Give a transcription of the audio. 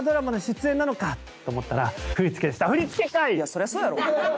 「そりゃそうやろ。